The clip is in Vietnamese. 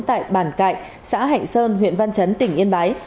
tại bản cại xã hạnh sơn huyện văn trấn tỉnh yên bái